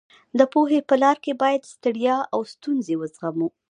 د پوهې په لاره کې باید ستړیا او ستونزې وزغمو.